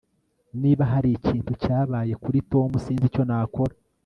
Niba hari ikintu cyabaye kuri Tom sinzi icyo nakora